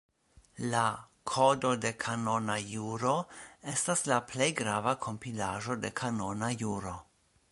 La Kodo de Kanona Juro estas la plej grava kompilaĵo de kanona juro.